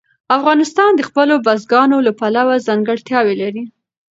افغانستان د خپلو بزګانو له پلوه ځانګړتیاوې لري.